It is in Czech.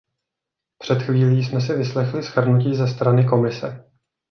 Před chvílí jsme si vyslechli shrnutí ze strany Komise.